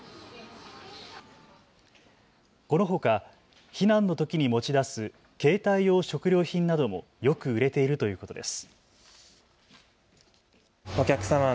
このほか非難のときに持ち出す携帯用食料品などもよく売れているということです。